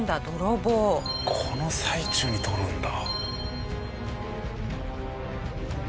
この最中に取るんだ。